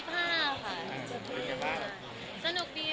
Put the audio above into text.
พร้อมผ่านมานานสุดยอดไหม